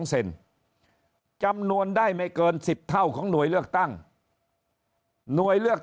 เซนจำนวนได้ไม่เกิน๑๐เท่าของหน่วยเลือกตั้งหน่วยเลือก